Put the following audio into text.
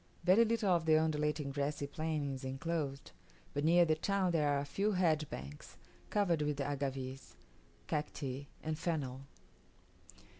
Very little of the undulating grassy plain is enclosed; but near the town there are a few hedge banks, covered with agaves, cacti, and fennel.